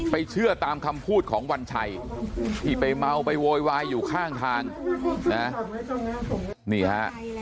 เชื่อตามคำพูดของวัญชัยที่ไปเมาไปโวยวายอยู่ข้างทางนะนี่ฮะ